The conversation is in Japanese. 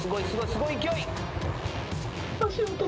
すごい勢い。